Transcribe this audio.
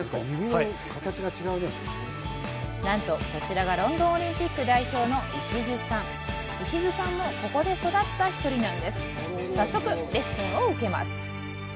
はいなんとこちらがロンドンオリンピック代表の石津さん石津さんもここで育った１人なんです早速レッスンを受けます